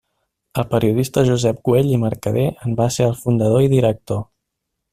El periodista Josep Güell i Mercader en va ser el fundador i director.